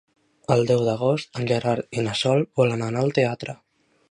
El deu d'agost en Gerard i na Sol volen anar al teatre.